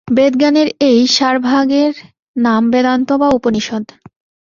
বেদজ্ঞানের এই সারভাগের নাম বেদান্ত বা উপনিষদ্।